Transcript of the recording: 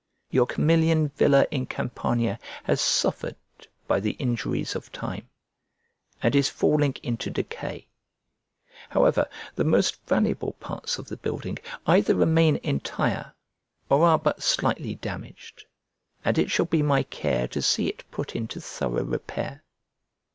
Your Camillian villa in Campania has suffered by the injuries of time, and is falling into decay; however, the most valuable parts of the building either remain entire or are but slightly damaged, and it shall be my care to see it put into thorough repair.